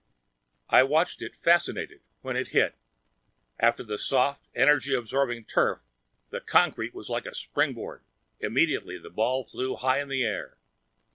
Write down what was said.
I watched it, fascinated, when it hit after the soft, energy absorbing turf, the concrete was like a springboard. Immediately the ball flew high in the air.